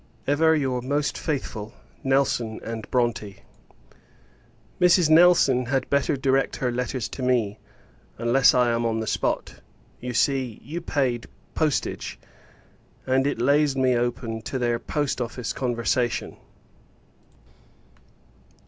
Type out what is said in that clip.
Ever your most faithful NELSON & BRONTE. Mrs. Nelson had better direct her letters to me, unless I am on the spot. You see, you paid postage, and it lays me open to their Post Office conversation.